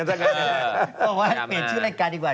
บอกว่าเปลี่ยนชื่อรายการดีกว่า